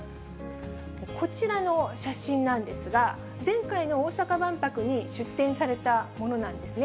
こちらの写真なんですが、前回の大阪万博に出展されたものなんですね。